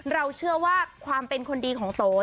เราเชื่อว่าความเป็นคนดีของโต